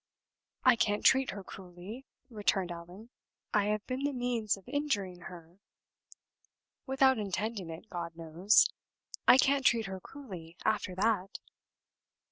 "I can't treat her cruelly," returned Allan. "I have been the means of injuring her without intending it, God knows! I can't treat her cruelly after that!"